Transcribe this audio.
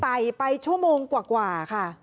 ไปชั่วโมงกว่าค่ะ